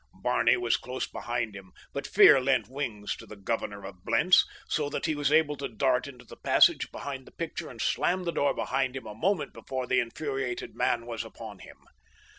Barney was close behind him, but fear lent wings to the governor of Blentz, so that he was able to dart into the passage behind the picture and slam the door behind him a moment before the infuriated man was upon him.